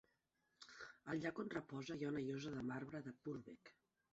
Al lloc on reposa hi ha una llosa de marbre de Purbeck.